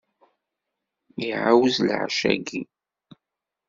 Iɛawez leɛca-ayyi.